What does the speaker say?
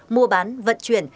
mua bán vận chuyển